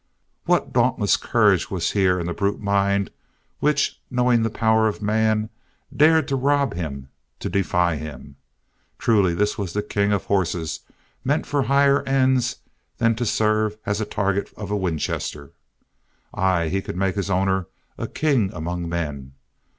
What a dauntless courage was here in the brute mind which, knowing the power of man, dared to rob him, to defy him! Truly this was the king of horses meant for higher ends than to serve as target of a Winchester. Ay, he could make his owner a king among men.